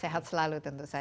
sehat selalu tentu saja